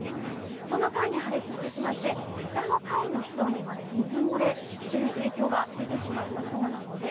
その際に破裂してしまって下の階の人にまで水漏れという影響が出てしまったそうです。